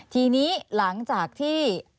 ทีนี้หลังจากที่